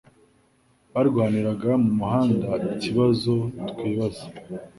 Barwaniraga mu muhanda ikibazo twibaza